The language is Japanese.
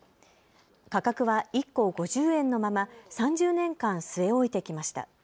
価格は１個５０円のまま３０年間、据え置いてきました。